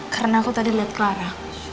karena aku tadi liat clara